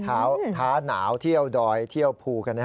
ท้าหนาวเที่ยวดอยเที่ยวภูกัน